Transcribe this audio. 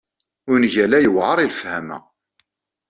Ungal-a yewɛer i lefhama.